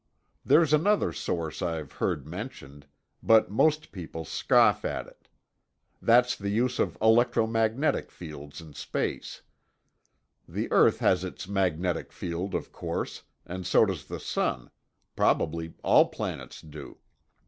There's another source I've heard mentioned, but most people scoff at it. That's the use of electromagnetic fields in space. The earth has its magnetic field, of course, and so does the sun. Probably all planets do.